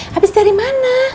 habis dari mana